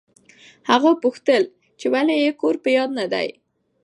هغوی پوښتل چې ولې یې کور په یاد نه دی.